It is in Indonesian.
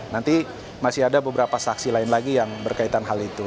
nanti masih ada beberapa saksi lain lagi yang berkaitan hal itu